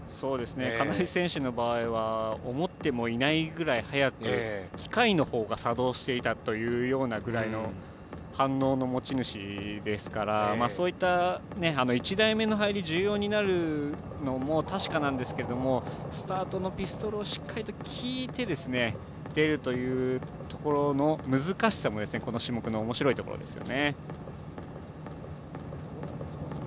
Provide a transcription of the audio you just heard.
金井選手の場合は思ってもいないぐらい早く機械のほうが作動していたというようなぐらいの反応の持ち主ですからそういった１台目の入り重要になるのも確かなんですけど、スタートのピストルをしっかりと聞いて出るというところの難しさも、この種目のおもしろいところですよね。